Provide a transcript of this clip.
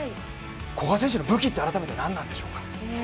古賀選手の武器、改めてなんなんでしょうか？